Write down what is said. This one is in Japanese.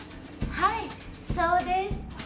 はいそうです。